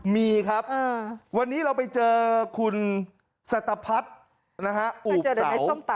มีครับวันนี้เราไปเจอคุณสตพัดนะฮะอูบเสา